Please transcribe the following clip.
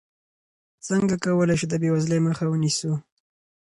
څنګه کولی شو د بېوزلۍ مخه ونیسو؟